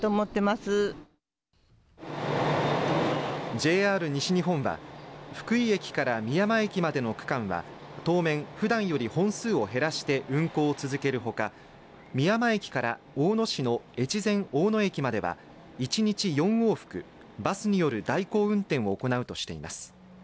ＪＲ西日本は福井駅から美山駅までの区間は当面ふだんより本数を減らして運行を続けるほか美山駅から大野市の越前大野駅までは１日４往復バスによる代行運転を行うとしています。